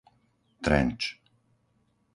Trenč